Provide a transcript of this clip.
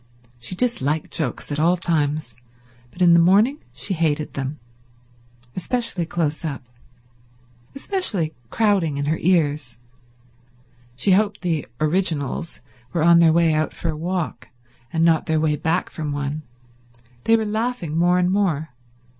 She disliked jokes at all times, but in the morning she hated them; especially close up; especially crowding in her ears. She hoped the originals were on their way out for a walk, and not on their way back from one. They were laughing more and more.